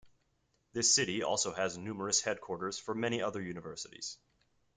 This city also has numerous headquarters for many other universities.